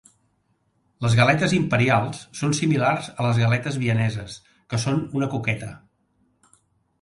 Les galetes imperials són similars a les galetes vieneses, que són una coqueta.